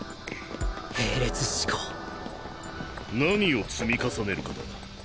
並列思考何を積み重ねるかだ。